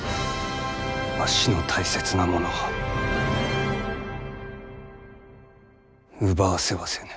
わしの大切なものを奪わせはせぬ。